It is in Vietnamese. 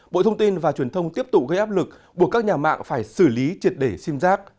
bộ thông tin và truyền thông tiếp tục gây áp lực buộc các nhà mạng phải xử lý triệt để sim giác